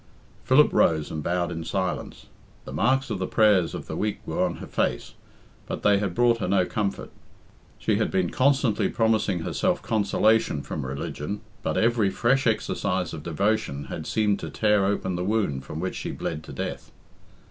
Philip rose and bowed in silence. The marks of the prayers of the week were on her face, but they had brought her no comfort. She had been constantly promising herself consolation from religion, but every fresh exercise of devotion had seemed to tear open the wound from which she bled to death.